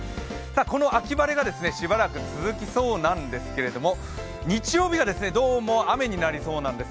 この秋晴れがしばらく続きそうなんですけれど日曜日がどうも雨になりそうなんです。